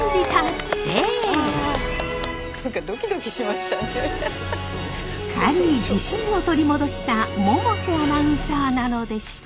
すっかり自信を取り戻した百瀬アナウンサーなのでした。